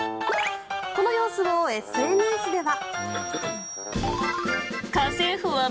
この様子をＳＮＳでは。